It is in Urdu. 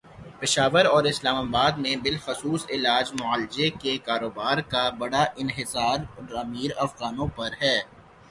پشاور اور اسلام آباد میں بالخصوص علاج معالجے کے کاروبارکا بڑا انحصارامیر افغانوں پر ہے۔